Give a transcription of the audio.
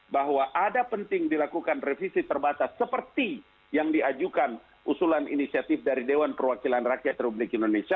bahwa ada penting dilakukan revisi terbatas seperti yang diajukan usulan inisiatif dari dewan perwakilan rakyat republik indonesia